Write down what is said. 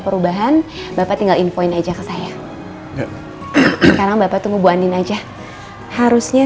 perubahan bapak tinggal infoin aja ke saya sekarang bapak tunggu bu andin aja harusnya